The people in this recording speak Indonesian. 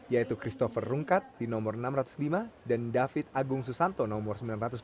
yaitu christopher rungkat di nomor enam ratus lima dan david agung susanto nomor sembilan ratus sembilan puluh